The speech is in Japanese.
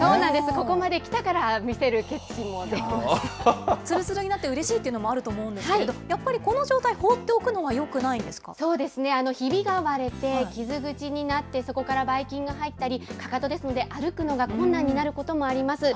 ここまできたから見せる決意もでつるつるになってうれしいというのもあると思うんですけれど、やっぱりこの状態、放っておくのひびが入って、傷口になって、そこからばい菌が入ったり、かかとですので、歩くのが困難になることもあります。